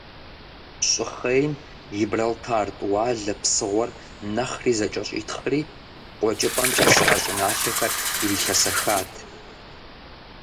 ЩӀыхъейм Гибралтар тӀуалэ псыгъуэр нэхъри зэкӀэщӀитхъри, КъуэкӀыпӀэмкӀэ щыӀэ щӀыналъэхэр ирилъэсэхат.